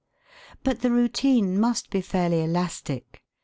But the routine must be fairly elastic.